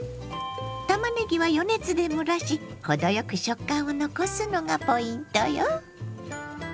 たまねぎは余熱で蒸らし程よく食感を残すのがポイントよ。